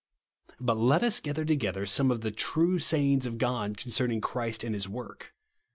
Bat let us cfather toq ether some of the ^'true sayings of God" concerning Christ and his work.